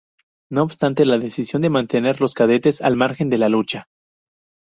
No obstante la decisión de mantener a los cadetes al margen de la lucha.